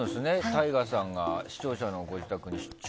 ＴＡＩＧＡさんが視聴者のご自宅に出張。